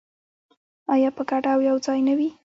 آیا په ګډه او یوځای نه وي؟